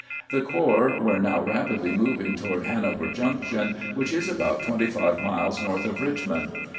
The corps were now rapidly moving toward Hanover Junction, which is about twenty five miles north of Eichmond.